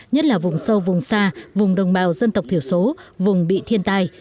nhất là vùng sâu vùng xa vùng đồng bào dân tộc thiểu số vùng bị thiên tai